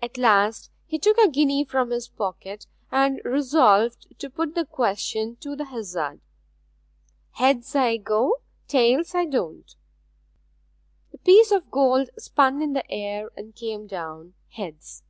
At last he took a guinea from his pocket, and resolved to put the question to the hazard. 'Heads I go; tails I don't.' The piece of gold spun in the air and came down heads.